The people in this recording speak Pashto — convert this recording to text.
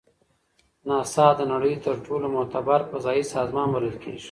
ناسا د نړۍ تر ټولو معتبر فضایي سازمان بلل کیږي.